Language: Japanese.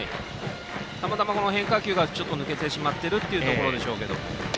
たまたま変化球が抜けてしまっているところでしょうけど。